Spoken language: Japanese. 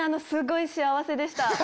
すごい幸せでした。